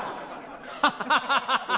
ハハハハ！